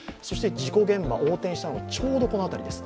事故現場、横転したのがちょうどこの辺りです。